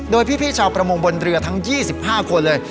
โดยพี่ชาวประมงบนเรือทั้ง๒๕คนเลย